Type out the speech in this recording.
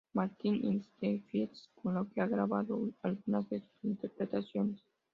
Martin in the Fields, con la que ha grabado algunas de sus interpretaciones.